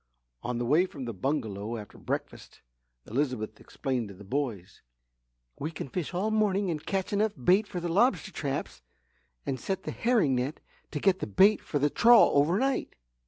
On the way from the bungalow after breakfast, Elizabeth explained to the boys. "We can fish all morning and catch enough bait for the lobster traps and set the herring net to get the bait for the trawl overnight."